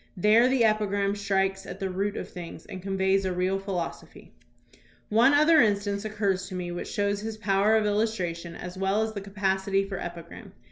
There the epigram strikes at the root of things and conveys a real philosophy. One other instance occurs to me which shows his power of illustration as well as the capacity for epi gram.